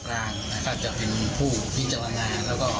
ว่าความเป็นมาเป็นไปก็ได้